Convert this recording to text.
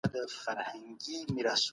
حکومت باید د ذمیانو ساتنه وکړي.